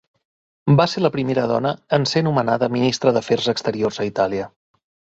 Va ser la primera dona en ser nomenada ministra d'Afers Exteriors a Itàlia.